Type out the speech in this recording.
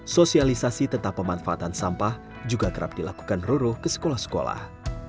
sosialisasi tentang pemanfaatan sampah juga kerap dilakukan roro ke sekolah sekolah